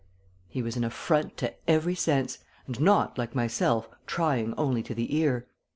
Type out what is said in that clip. He was an affront to every sense, and not, like myself, trying only to the ear.